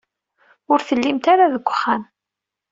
Ur tellimt ara deg uxxam.